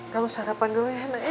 kamu sarapan dulu ya naim